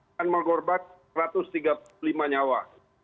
dan mengorbankan satu ratus tiga puluh lima nyawa